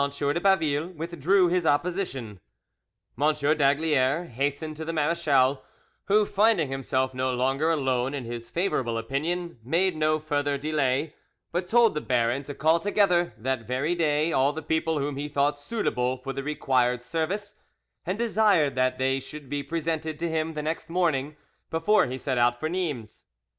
de Baville withdrew his opposition. M d'Aygaliers hastened to the marechal, who finding himself no longer alone in his favourable opinion, made no further delay, but told the baron to call together that very day all the people whom he thought suitable for the required service, and desired that they should be presented to him the next morning before he set out for Nimes.